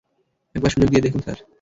একবার সুযোগ দিয়ে দেখুন, স্যার।